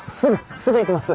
すぐ行きます！